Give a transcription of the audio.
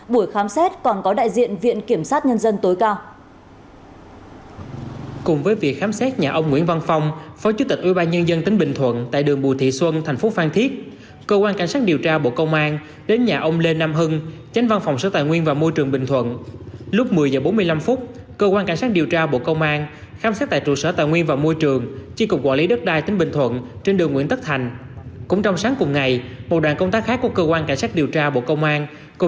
buổi khám xét còn có đại diện viện kiểm sát nhân dân tối cao